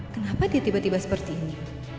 kenapa dia tiba tiba seperti ini